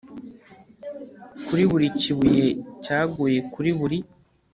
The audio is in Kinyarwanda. kuri buri kibuye cyaguye kuri buri